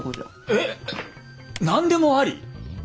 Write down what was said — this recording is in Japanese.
えっ！？何でもあり？